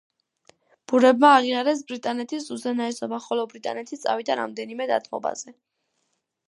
ბურებმა აღიარეს ბრიტანეთის უზენაესობა ხოლო ბრიტანეთი წავიდა რამდენიმე დათმობაზე.